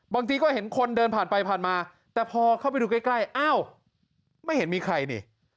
บางทีก็เห็นคนเดินผ่านไปผ่านมาแต่พอเข้าไปดูใกล้อ้าวไม่เห็นมีใครนี่